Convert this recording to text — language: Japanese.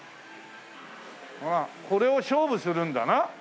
これを勝負するんだな。